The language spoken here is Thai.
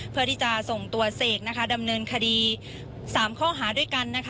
เพื่อที่จะส่งตัวเสกดำเนินคดี๓ข้อหาด้วยกันนะคะ